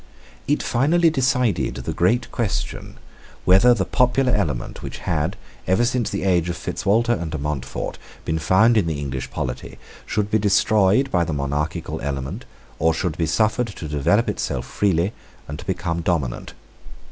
It finally decided the great question whether the popular element which had, ever since the age of Fitzwalter and De Montfort, been found in the English polity, should be destroyed by the monarchical element, or should be suffered to develope itself freely, and to become dominant.